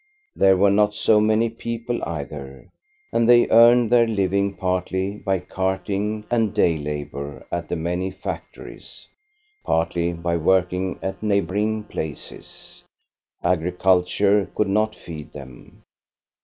There were not so many people either, and they earned their living partly by carting and day labor at the many factories, partly by working at neigh boring places ; agriculture could not feed them.